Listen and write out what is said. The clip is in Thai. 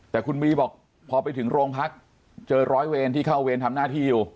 แต่คุณบีบอกพอไปถึงโรงพักเจอร้อยเวรที่เข้าเวรทำหน้าที่อยู่